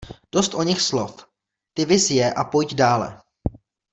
Dost o nich slov, ty viz je a pojď dále!